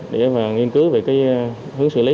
để nghiên cứu về cái hướng xử lý